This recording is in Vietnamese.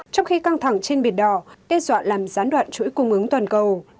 trong khi căng thẳng trên biển đỏ đe dọa làm gián đoạn chuỗi cung ứng toàn cầu